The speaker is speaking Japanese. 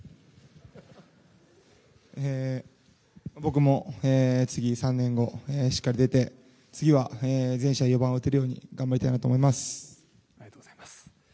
僕も次、３年後しっかり出て、次は全試合４番を打てるように頑張りたいなと思います。